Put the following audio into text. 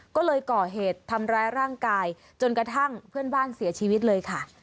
ก็เลยก่อเหตุทำร้ายร่างกายจนกระทั่งเพื่อนบ้านเสียชีวิตเลยค่ะ